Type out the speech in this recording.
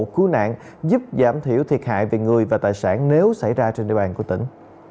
cứu nạn giúp giảm thiểu thiệt hại về người và tài sản nếu xảy ra trên địa bàn của tỉnh